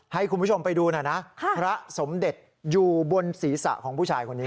ให้คุณผู้ชมไปดูหน่อยนะพระสมเด็จอยู่บนศีรษะของผู้ชายคนนี้